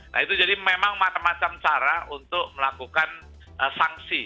nah itu jadi memang macam macam cara untuk melakukan sanksi